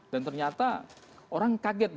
dan ternyata orang kaget